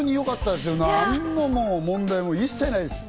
何の問題も一切ないです。